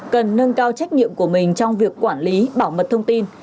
cần nâng cao trách nhiệm của mình trong việc quản lý bảo mật thông tin